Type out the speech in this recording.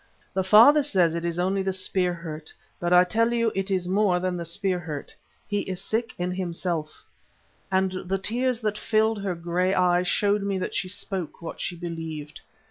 The father says it is only the spear hurt, but I tell you it is more than the spear hurt. He is sick in himself," and the tears that filled her grey eyes showed me that she spoke what she believed.